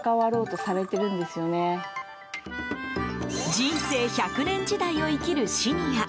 人生１００年時代を生きるシニア。